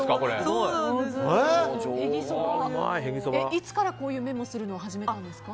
いつからこういうメモするのを始めたんですか？